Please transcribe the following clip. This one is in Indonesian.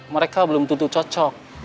mereka belum tentu cocok